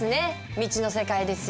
未知の世界ですよ。